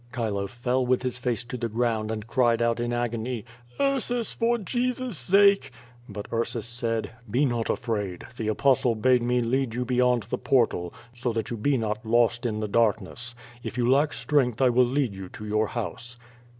Chilo fell with his face to the ground and cried out in agony: "Ursus, for Jesus's sake!" But Ursus said, "Be not afraid. The Apostle bade me lead you beyond the portal, so that you be not lost in the darkness. If you lack strength I will lead you to your house."